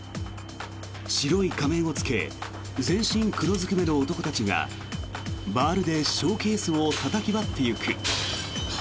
白い仮面をつけ全身黒ずくめの男たちがバールでショーケースをたたき割っていく。